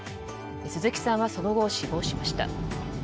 鈴木さんはその後、死亡しました。